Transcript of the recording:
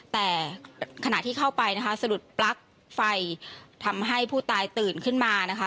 แต่ขณะที่เข้าไปนะคะสะดุดปลั๊กไฟทำให้ผู้ตายตื่นขึ้นมานะคะ